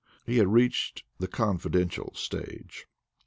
He had reached the confidential stage.